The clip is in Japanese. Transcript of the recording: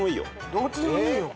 「どっちでもいいよ」